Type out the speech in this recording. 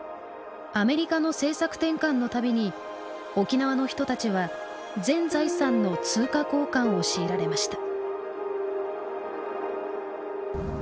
アメリカの政策転換の度に沖縄の人たちは全財産の通貨交換を強いられました。